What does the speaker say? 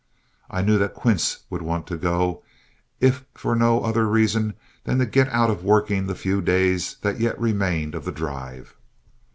I knew that Quince would want to go, if for no other reason than to get out of working the few days that yet remained of the drive.